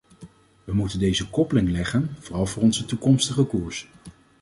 We moeten deze koppeling leggen, vooral voor onze toekomstige koers.